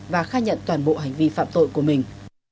và khai nhận toàn bộ hành vi phạm tội của mình